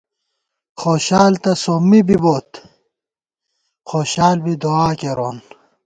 خوشال تہ سومّی بِبوئیت ، خوشال بی دُعا کېرون